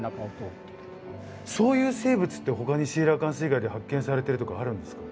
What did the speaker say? そういう生物ってほかにシーラカンス以外で発見されてるとかあるんですか？